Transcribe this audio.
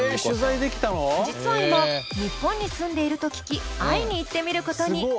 実は今日本に住んでいると聞き会いに行ってみることに！